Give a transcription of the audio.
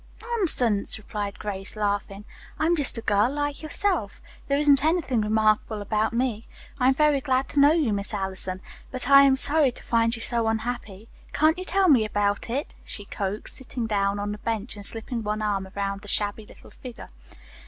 "Nonsense," replied Grace, laughing. "I'm just a girl like yourself. There isn't anything remarkable about me. I'm very glad to know you, Miss Allison, but I am sorry to find you so unhappy. Can't you tell me about it?" she coaxed, sitting down on the bench and slipping one arm around the shabby little figure.